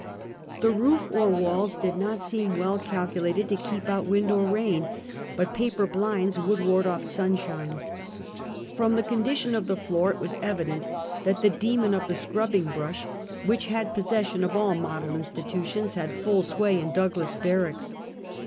The roof or walls did not seem well calculated to keep out wind or rain, but paper blinds would ward off sunshine. From the condition of the floor, it was evident that the demon of the scrubbing brush, which has possession of all model institutions, had full sway in Douglas barracks.